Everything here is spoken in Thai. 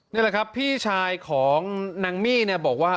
นี่แหละครับพี่ชายของนางมี่เนี่ยบอกว่า